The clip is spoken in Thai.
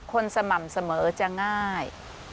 สม่ำเสมอจะง่าย